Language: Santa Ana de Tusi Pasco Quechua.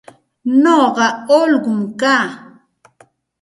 Nuqa ullqum kaa.